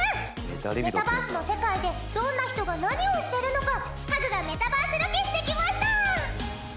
メタバースの世界でどんな人が何をしてるのかハグがメタバースロケしてきました！